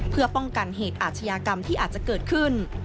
เพื่อป้องกันเหตุอาชญากรรมที่อาจจะเกิดขึ้น